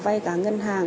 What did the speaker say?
vay cả ngân hàng